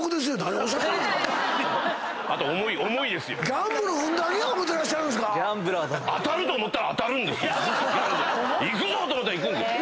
ギャンブル運だけや思うてらっしゃるんすか⁉いくぞと思ったらいくんです。